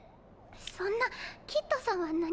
そんなキッドさんは何も。